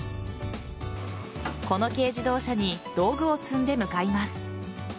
この軽自動車に道具を積んで向かいます。